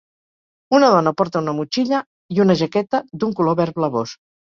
Una dona porta una motxilla i una jaqueta d'un color verd blavós.